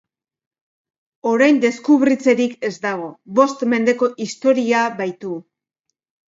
Orain deskubritzerik ez dago, bost mendeko historia baitu.